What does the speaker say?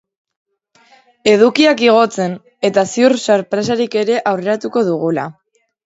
Edukiak igotzen, eta ziur sorpresarik ere aurreratuko dugula.